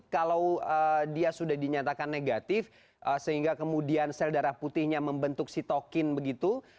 kalau dia sudah dinyatakan negatif sehingga kemudian sel darah putihnya membentuk sitokin begitu